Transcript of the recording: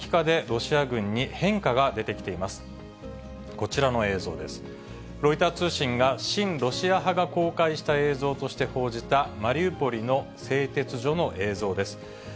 ロイター通信が、親ロシア派が公開した映像として報じたマリウポリの製鉄所の映像です。